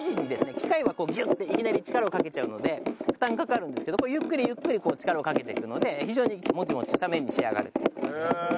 機械はギュッていきなり力をかけちゃうので負担かかるんですけどゆっくりゆっくり力をかけていくので非常にもちもちした麺に仕上がるっていう事ですね。